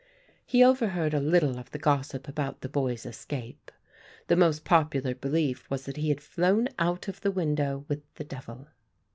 He overheard a little of the gossip about the boy's escape. The most popular belief was that he had flown out of the window with the devil.